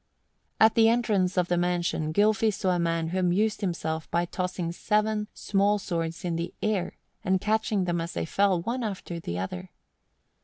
At the entrance of the mansion Gylfi saw a man who amused himself by tossing seven small swords in the air, and catching them as they fell, one after the other.